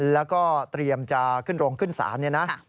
แล้วก็เตรียมจะขึ้นโรงขึ้นศาลเนี่ยนะ